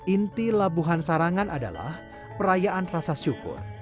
inti labuhan sarangan adalah perayaan rasa syukur